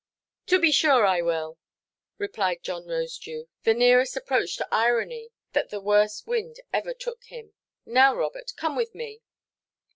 "To be sure I will," replied John Rosedew—the nearest approach to irony that the worst wind ever took him—"now, Robert, come with me."